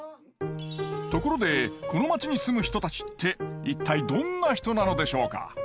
ところでこの町に住む人たちって一体どんな人なのでしょうか？